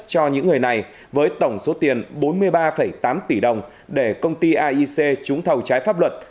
cho những người này với tổng số tiền bốn mươi ba tám tỷ đồng để công ty aic trúng thầu trái pháp luật